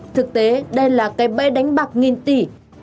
thực tế đây là cái bẫy đánh bạc nghìn tỷ